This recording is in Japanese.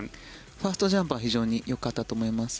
ファーストジャンプは非常によかったと思います。